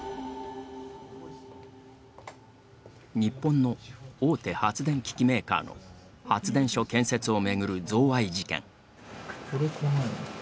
日本の大手発電機器メーカーの発電所建設を巡る贈賄事件。